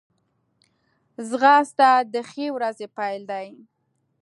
ځغاسته د ښې ورځې پیل دی